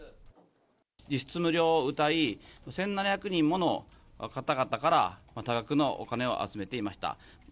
実質無料をうたい、１７００人もの方々から多額のお金を集めていました。